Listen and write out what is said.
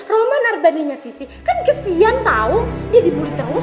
roman arbani sama sissy kan kesian tau dia dibully terus